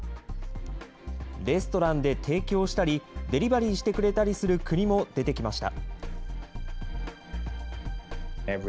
レストランで提供したり、デリバリーしてくれたりする国も出てきました。